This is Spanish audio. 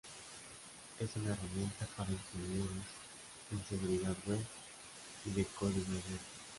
Es una herramienta para ingenieros en seguridad web y es de código abierto.